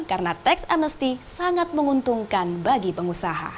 karena teks amnesti sangat menguntungkan bagi pengusaha